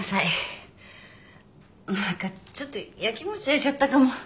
何かちょっと焼き餅焼いちゃったかも。